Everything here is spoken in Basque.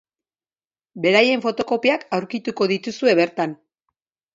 Beraien fotokopiak aurkituko dituzte bertan.